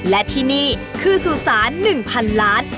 และที่นี่คือสุสาน๑๐๐๐ล้าน